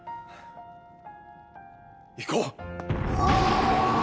行こう！